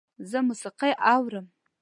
زه موسیقی اورم